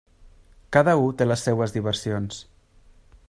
Cada u té les seues diversions.